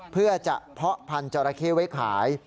เพื่อจะเพาะพันธุ์จราเข้ไว้ขาย